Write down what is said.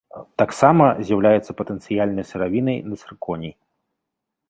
Таксама з'яўляецца патэнцыяльнай сыравінай на цырконій.